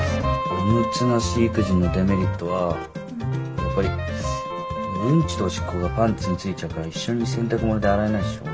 オムツなし育児のデメリットはやっぱりうんちとおしっこがパンツについちゃうから一緒に洗濯物で洗えないでしょ。